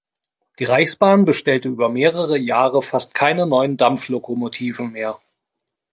Die Reichsbahn bestellte über mehrere Jahre fast keine neuen Dampflokomotiven mehr.